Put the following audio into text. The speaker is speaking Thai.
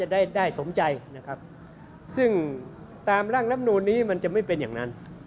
ได้ได้สมใจนะครับซึ่งตามร่างลำนูนนี้มันจะไม่เป็นอย่างนั้น